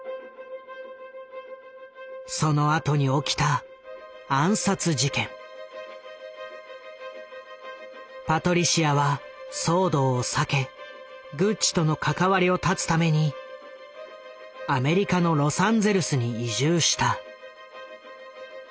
そのあとに起きたパトリシアは騒動を避けグッチとの関わりを断つためにアメリカのロサンゼルスに移住した。